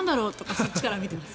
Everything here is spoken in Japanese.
そっちから見ています。